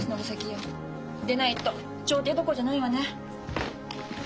でないと調停どころじゃないわね。